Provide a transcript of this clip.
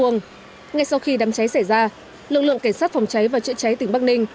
ngay sau khi đám cháy xảy ra lực lượng cảnh sát phòng cháy và chữa cháy tỉnh bắc ninh